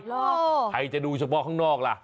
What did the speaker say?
ใครจะดูเฉพาะข้างนอกล่ะ